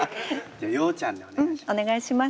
じゃあようちゃんでお願いします。